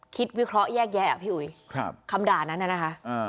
วิเคราะห์แยกแยะอ่ะพี่อุ๋ยครับคำด่านั้นน่ะนะคะ